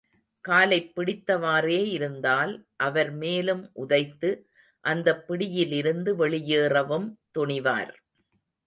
காலைப் பிடித்தவாறே இருந்தால், அவர் மேலும் உதைத்து, அந்தப் பிடியிலிருந்து வெளியேறவும் துணிவார்.